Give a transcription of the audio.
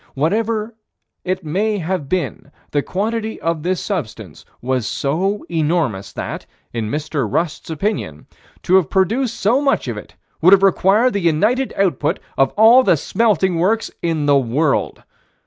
Whatever it may have been the quantity of this substance was so enormous that, in Mr. Rust's opinion, to have produced so much of it would have required the united output of all the smelting works in the world.